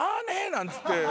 なんつって。